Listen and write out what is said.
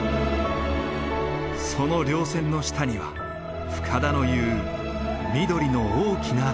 その稜線の下には深田の言う緑の大きな壁。